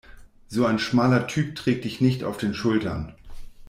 So ein schmaler Typ trägt dich nicht auf den Schultern.